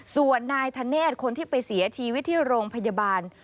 ส่วนนายธเนธคนที่ไปเสียชีวิตที่โรงพยาบาล